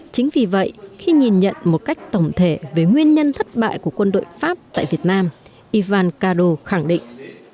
chính vì vậy khi nhìn nhận một cách tổng thể về nguyên nhân thất bại của quân đội pháp tại việt nam ivan kado khẳng định